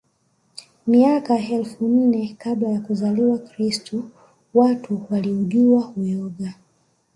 Miaka elfu nne kabla ya kuzaliwa Kristo watu waliujua uyoga